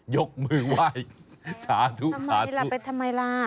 ยกมือไหว้สาธุทำไมล่ะไปทำไมล่ะ